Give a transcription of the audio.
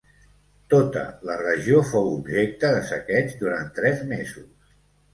Tota la regió fou objecte de saqueig durant tres mesos.